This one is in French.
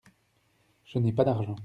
Je n’ai pas d’argent.